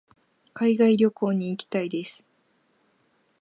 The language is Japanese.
海外旅行に行きたいです。